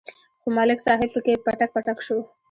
خو ملک صاحب پکې پټک پټک شو.